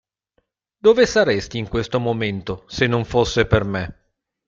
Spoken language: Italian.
Dove saresti in questo momento se non fosse per me?